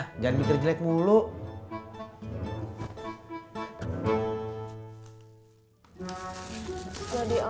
hai jangan lupa subscribe channel ini untuk mendapatkan informasi terbaru dari kita